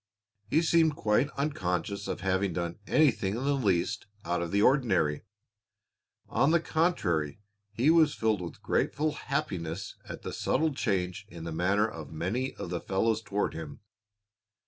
He seemed quite unconscious of having done anything in the least out of the ordinary. On the contrary, he was filled with grateful happiness at the subtle change in the manner of many of the fellows toward him.